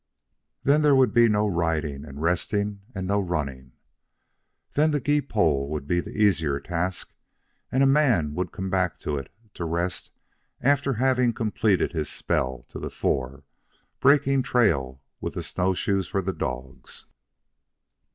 Then there would be no riding and resting, and no running. Then the gee pole would be the easier task, and a man would come back to it to rest after having completed his spell to the fore, breaking trail with the snowshoes for the dogs.